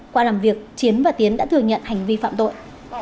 qua làm việc chiến và tiến đã thừa nhận hành vi phạm tội